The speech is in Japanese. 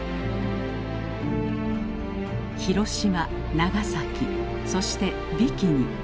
広島長崎そしてビキニ。